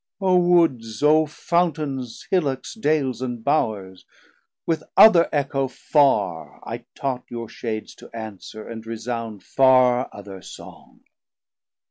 O Woods, O Fountains, Hillocks, Dales and Bowrs, 860 With other echo farr I taught your Shades To answer, and resound farr other Song.